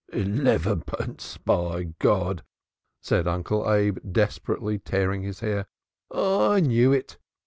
"Elevenpence! By G ," cried Uncle Abe, desperately tearing his hair. "I knew it!"